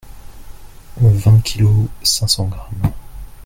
Vingt kilos cinq cents grammes.